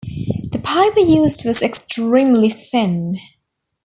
The paper used was extremely thin.